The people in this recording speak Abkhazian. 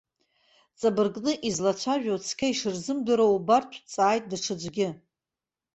Ҵабыргны излацәажәо цқьа ишырзымдыруа убартә, дҵааит даҽаӡәгьы.